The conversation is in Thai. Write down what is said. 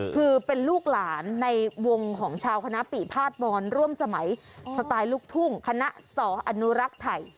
คือเป็นลูกหลานในวงของชาวคณะปีภาษบรร่วมสมัยสไตล์ลูกทุ่งคณะสออนุรักษ์ไทย